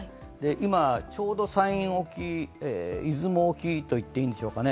今、ちょうど山陰沖、出雲沖と言っていいんでしょうか。